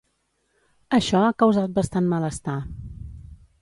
Això ha causat bastant malestar.